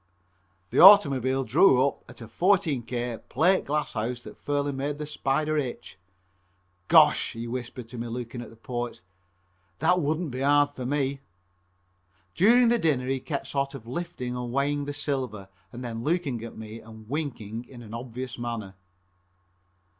The automobile drew up at a 14k. plate glass house that fairly made the "Spider" itch. "Gosh," he whispered to me, looking at the porch, "that wouldn't be hard for me." During the dinner he kept sort of lifting and weighing the silver and then looking at me and winking in an obvious manner.